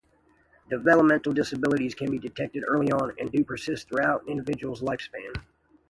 Developmental disabilities can be detected early on, and do persist throughout an individual's lifespan.